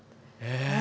ええ！